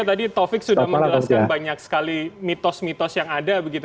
tadi taufik sudah menjelaskan banyak sekali mitos mitos yang ada begitu